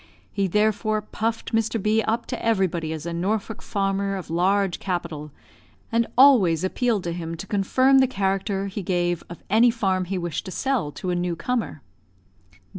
He therefore puffed Mr. B up to everybody as a Norfolk farmer of large capital, and always appealed to him to confirm the character he gave of any farm he wished to sell to a new comer.